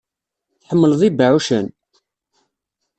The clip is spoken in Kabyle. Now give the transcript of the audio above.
Tḥemmleḍ ibeɛɛucen?